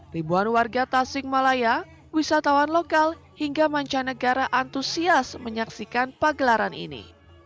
ribuan warga tasik malaya wisatawan lokal hingga mancanegara antusias menyaksikan pagelaran ini